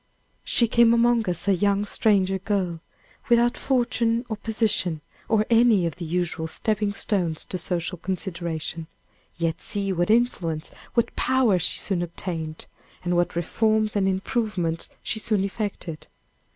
She came among us a young stranger girl, without fortune or position, or any of the usual stepping stones to social consideration. Yet see what influence, what power she soon obtained, and what reforms and improvements she soon effected.